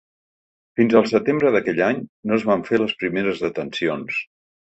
Fins al setembre d’aquell any no es van fer les primeres detencions.